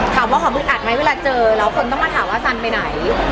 ถามว่าเขาอึดอัดไหมเวลาเจอแล้วคนต้องมาถามว่าซันไปไหน